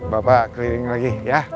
bapak keliling lagi ya